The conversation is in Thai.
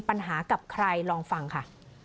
ปันหากับใครลองฟังค่ะ